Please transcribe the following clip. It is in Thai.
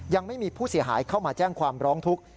ยังไม่มีผู้เสียหายเข้ามาแจ้งความร้องทุกข์